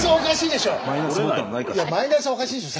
いやマイナスおかしいでしょ